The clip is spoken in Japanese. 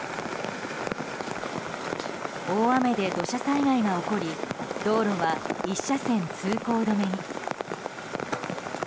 大雨で土砂災害が起こり道路は１車線通行止めに。